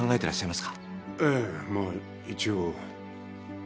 ええまあ一応。